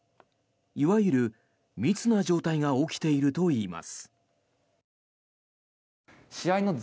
いわゆる密な状態が起きているといいます。